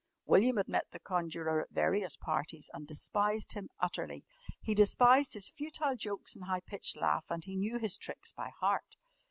William had met the conjurer at various parties and despised him utterly. He despised his futile jokes and high pitched laugh and he knew his tricks by heart.